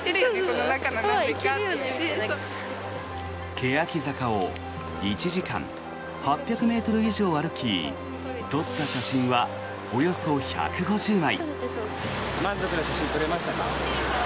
けやき坂を１時間８００ｍ以上歩き撮った写真はおよそ１５０枚。